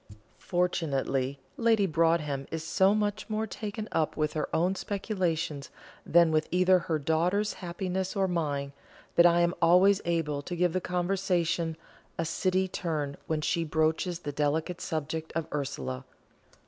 Fortunately Lady Broadhem is so much more taken up with her own speculations than with either her daughter's happiness or mine, that I am always able to give the conversation a City turn when she broaches the delicate subject of Ursula.